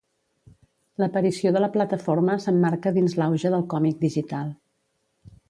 L'aparició de la plataforma s'emmarca dins l'auge del còmic digital.